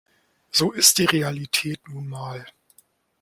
So ist die Realität nun mal.